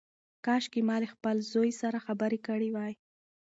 کاشکي ما له خپل زوی سره خبرې کړې وای.